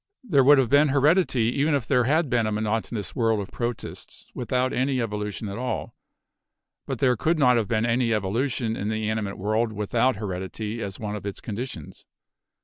There would have been heredity even if there had been a monotonous world of Protists without any evolution at all, but there could not have been any evolution in the animate world without heredity as one of its conditions.